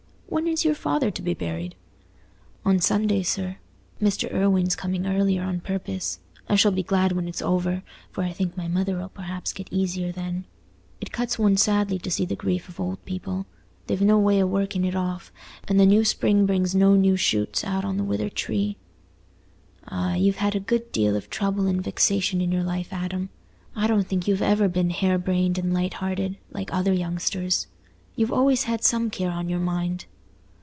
When is your father to be buried?" "On Sunday, sir; Mr. Irwine's coming earlier on purpose. I shall be glad when it's over, for I think my mother 'ull perhaps get easier then. It cuts one sadly to see the grief of old people; they've no way o' working it off, and the new spring brings no new shoots out on the withered tree." "Ah, you've had a good deal of trouble and vexation in your life, Adam. I don't think you've ever been hare brained and light hearted, like other youngsters. You've always had some care on your mind."